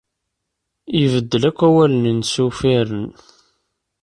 Ibeddel akk awalen-nnes uffiren.